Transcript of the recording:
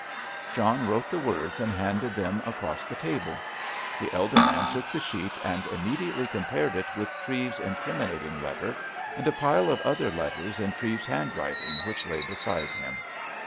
John wrote the words and handed them across the table. The elder man took the sheet and immediately compared it with Treves's incriminating letter, and a pile of other letters in Treves's handwriting, which lay beside him.